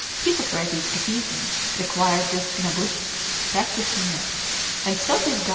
Hippocrates, a heathen, required this in a good practitioner, and so did Galen, lib.